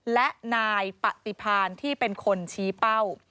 และนายปฏิพานที่เป็นคนชี้เป้า